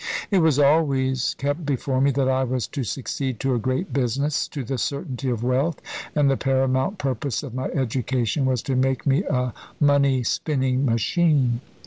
It was always kept before me that I was to succeed to a great business, to the certainty of wealth, and the paramount purpose of my education was to make me a money spinning machine.